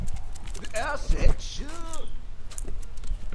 I said, 'Sure!!